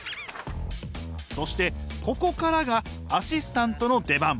そしてここからがアシスタントの出番作画です。